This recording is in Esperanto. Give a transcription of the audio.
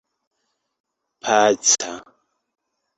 paca